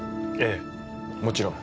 ええもちろん。